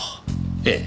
ええ。